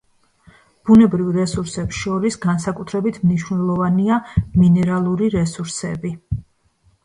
ბუნებრივ რესურსებს შორის განსაკუთრებით მნიშვნელოვანია მინერალური რესურსები.